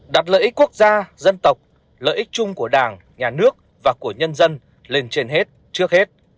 đặt lợi ích quốc gia dân tộc lợi ích chung của đảng nhà nước và của nhân dân lên trên hết trước hết